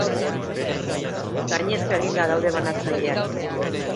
Gainezka eginda daude bantzaileak.